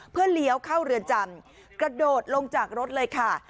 เพื่อเลี้ยวเข้าเรือนจำกระโดดลงจากรถเลยค่ะ